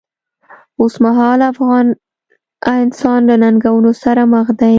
اوسمهالی افغان انسان له ننګونو سره مخ دی.